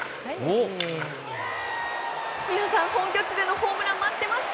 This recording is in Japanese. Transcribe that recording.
美和さん、本拠地でのホームラン待ってました。